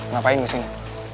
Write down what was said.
ngapain di sini